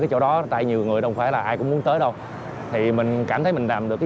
cái chỗ đó tại nhiều người đâu phải là ai cũng muốn tới đâu thì mình cảm thấy mình làm được cái